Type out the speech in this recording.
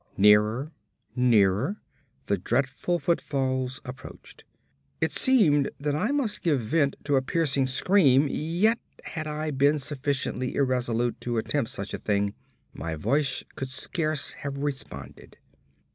Nearer, nearer, the dreadful footfalls approached. It seemed that I must give vent to a piercing scream, yet had I been sufficiently irresolute to attempt such a thing, my voice could scarce have responded.